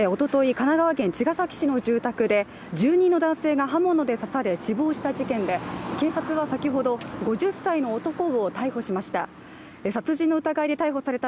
神奈川県茅ヶ崎市の住宅で住人の男性が刃物で刺され死亡した事件で、警察は先ほど、５０歳の男を逮捕しました。